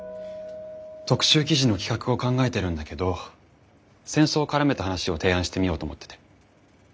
特集記事の企画を考えてるんだけど戦争を絡めた話を提案してみようと思ってて。